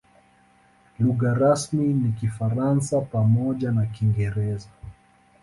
Lugha rasmi ni Kifaransa pamoja na Kiingereza.